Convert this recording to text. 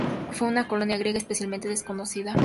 Fue una colonia griega especialmente desconocida.